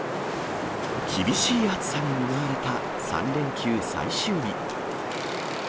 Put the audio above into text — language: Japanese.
厳しい暑さに見舞われた３連休最終日。